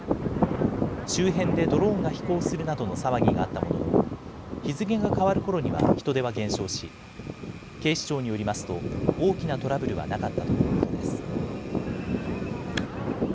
周辺でドローンが飛行するなどの騒ぎがあったものの日付が変わるころには人出は減少し、警視庁によりますと大きなトラブルはなかったということです。